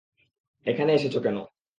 এখানে এসেছ কেন?